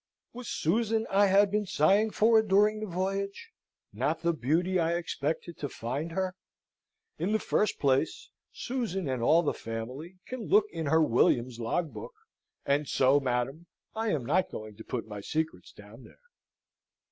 Was Susan I had been sighing for during the voyage, not the beauty I expected to find her? In the first place, Susan and all the family can look in her William's logbook, and so, madam, I am not going to put my secrets down there.